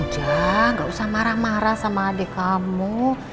udah gak usah marah marah sama adek kamu